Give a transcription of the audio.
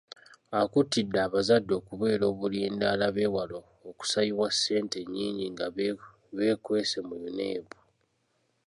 Akuutidde abazadde okubeera obulindaala beewale okusabibwa ssente ennyingi nga beekwese mu UNEB